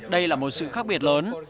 đây là một sự khác biệt lớn